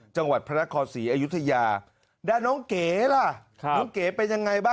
จังหวัดพระนครศรีอยุทิยา